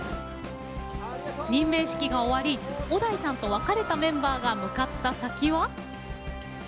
任命式が終わり小田井さんと別れたメンバーが向かった先は。